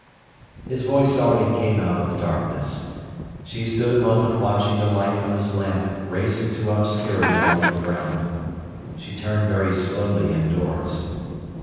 His voice already came out of the darkness. She stood a moment watching the light from his lamp race into obscurity along the ground. She turned very slowly indoors.